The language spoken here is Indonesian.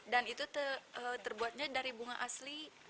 dan itu terbuatnya dari bunga asli